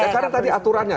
karena tadi aturannya